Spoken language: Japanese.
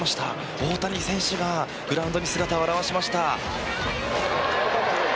大谷選手がグラウンドに姿を現しました。